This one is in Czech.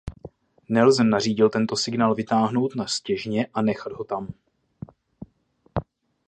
Nelson nařídil tento signál vytáhnout na stěžně a nechat ho tam.